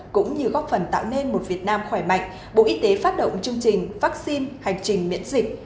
cũng như góp phần tạo nên một việt nam khỏe mạnh bộ y tế phát động chương trình vaccine hành trình miễn dịch